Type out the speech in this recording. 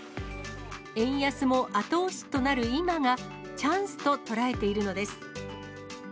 円安も後押しとなる今が、チャンスと捉えているのです。